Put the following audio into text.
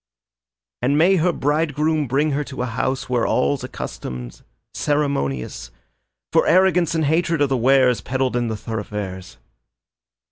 And may her bride groom bring her to a house Where all's accustomed, ceremonious; For arrogance and hatred are the wares Peddled in the thoroughfares.